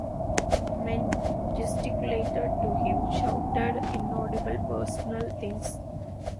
Men gesticulated to him, shouted inaudible personal things.